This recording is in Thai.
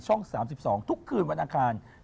ช่อง๓๒ทุกคืนวันอาคาร